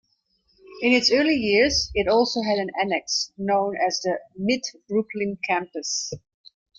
In its early years, it also had an annex, known as the "Mid-Brooklyn campus".